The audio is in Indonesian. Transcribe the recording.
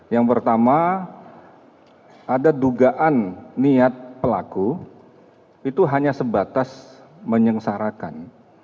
yang pertama ada dugaan niat pelaku itu hanya sebatas menyengsarakan